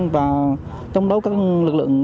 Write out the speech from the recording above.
và chống đối các lực lượng